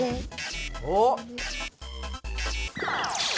おっ？